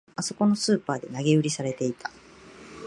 あそこのスーパーで投げ売りされてた